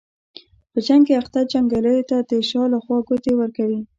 په جنګ کې اخته جنګیالیو ته د شا له خوا ګوتې ورکوي.